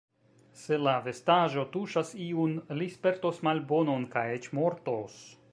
Se la vestaĵo tuŝas iun, li spertos malbonon kaj eĉ mortos.